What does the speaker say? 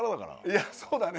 いやそうだね。